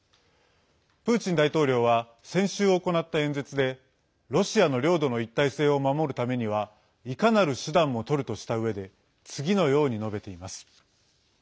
プーチン大統領は先週行った演説でロシアの領土の一体性を守るためにはいかなる手段もとるとしたうえで次のように述べています。